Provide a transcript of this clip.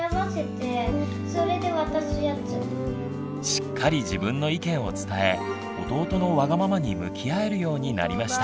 しっかり自分の意見を伝え弟のワガママに向き合えるようになりました。